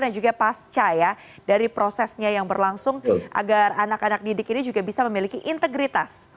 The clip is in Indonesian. dan juga pasca ya dari prosesnya yang berlangsung agar anak anak didik ini juga bisa memiliki integritas